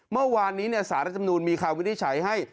เมื่อวานนี้สารรัฐธรรมนูลมีความวิทย์ใช้ให้